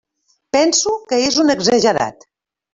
Penso que és un exagerat.